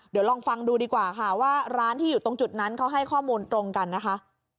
เดี๋ยวลองฟังดูดีกว่าค่ะว่าร้านที่อยู่ตรงจุดนั้นเขาให้ข้อมูลตรงกันนะคะ